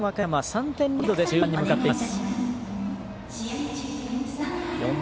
和歌山、３点リードで終盤に向かっていきます。